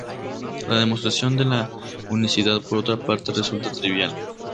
La demostración de la unicidad por otra parte resulta trivial.